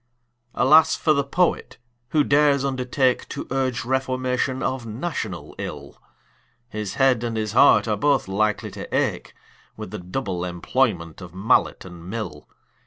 Alas for the Poet, who dares undertake To urge reformation of national ill! His head and his heart are both likely to ache With the double employment of mallet and mill.